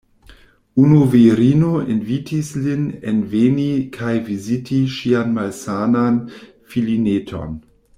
Unu virino invitis lin enveni kaj viziti ŝian malsanan filineton.